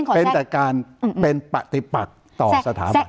เป็นแต่การเป็นปฏิปักต่อสถาบัน